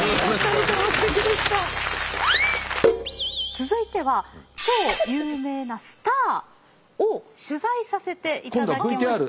続いては超有名なスターを取材させていただきました。